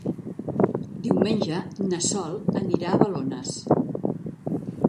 Diumenge na Sol anirà a Balones.